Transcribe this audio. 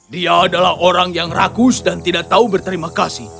dia adalah orang yang rakus dan tidak tahu berterima kasih